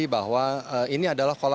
bahwa ini adalah kompetisi